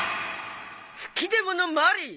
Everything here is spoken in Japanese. ふきでものマリー！